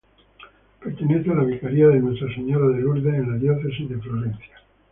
Pertenece a la Vicaría de Nuestra Señora de Lourdes en la Diócesis de Florencia.